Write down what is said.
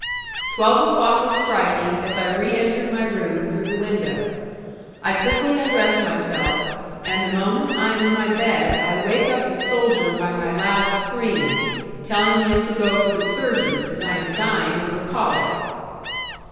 Twelve o'clock was striking as I re entered my room through the window. I quickly undress myself, and the moment I am in my bed I wake up the soldier by my loud screams, telling him to go for the surgeon, as I am dying of the colic.